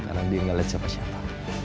karena dia gak liat siapa siapa